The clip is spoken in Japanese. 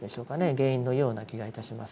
原因のような気がいたします。